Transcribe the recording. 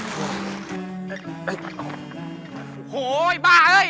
โหไอ้บ้าเฮ้ย